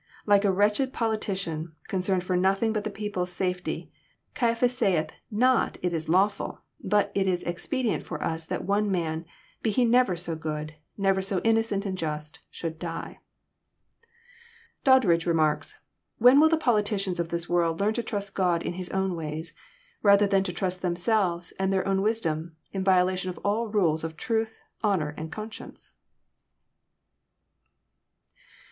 Like a wretched politician, concerned for nothing but the people's safety, Caiaphas saith not it is lawftil, but it is expedi ent for us that one Man, be He never so good, never so innocent and just, should die." Doddridge remarks :" When will the politicians of this world learn to trust God in His own ways, rather than to trust them selves and their own wisdom, in violation of all rules of truth, honour, and conscience?